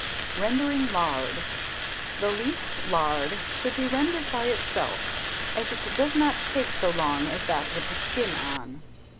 Rendering Lard. The leaf lard should be rendered by itself, as it does not take so long as that with the skin on.